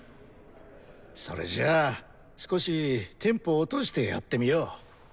それじゃあ少しテンポ落としてやってみよう。